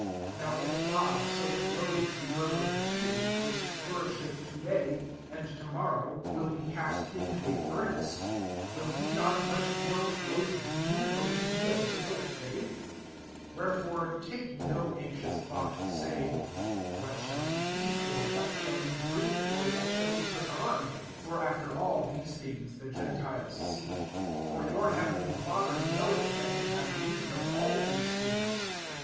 30 Now if God so clothe the herb of the field, which flourisheth to day, and to^norrow will be cast into a MATTHEW VII. d$ furnace ; will he not much more clothe you, O ye of little faith ? 3 1 " Whereforetake no anxious thought, saying, * What shall we eat? or, What shall we drink ? or. What shall we put on ?' 33 (for after all these things the g^itiles seek:) for your keavenly Father know eth that ye have need of all these things.